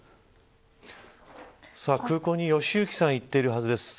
空港に良幸さん行っているはずです。